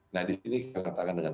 nah disini saya katakan dengan